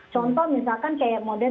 contoh misalkan kayak model